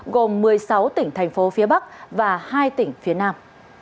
gồm một mươi sáu tỉnh thành phố phía bắc và hai tỉnh phía nam